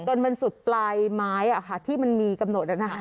ตอนมันสุดปลายไม้อ่ะค่ะที่มันมีกำหนดนะฮะ